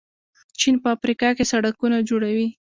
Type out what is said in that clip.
چین په افریقا کې سړکونه جوړوي.